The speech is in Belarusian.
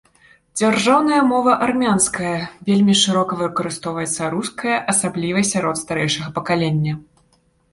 Дзяржаўная мова армянская, вельмі шырока выкарыстоўваецца руская, асабліва сярод старэйшага пакалення.